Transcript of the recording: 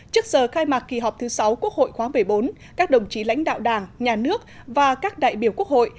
trước giờ khai mạc kỳ họp thứ sáu quốc hội khóa một mươi bốn các đồng chí lãnh đạo đảng nhà nước và các đại biểu quốc hội